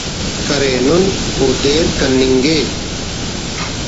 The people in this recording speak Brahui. کرینن و دیر کننگ ءِ